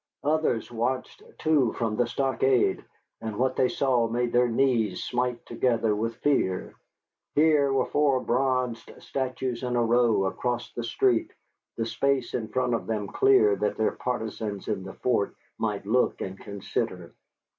Others watched, too, from the stockade, and what they saw made their knees smite together with fear. Here were four bronzed statues in a row across the street, the space in front of them clear that their partisans in the fort might look and consider.